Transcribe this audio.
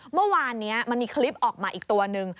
เมื่อวานนี้มันมีคลิปออกมาอีกตัวหนึ่ง